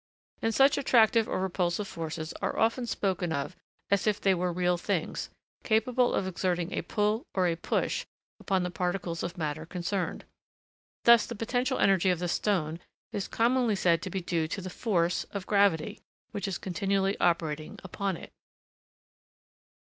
And such attractive or repulsive forces are often spoken of as if they were real things, capable of exerting a pull, or a push, upon the particles of matter concerned. Thus the potential energy of the stone is commonly said to be due to the 'force' of gravity which is continually operating upon it.